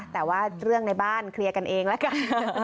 แต่ว่าเรื่องในบ้านเคลียร์กันเองละกัน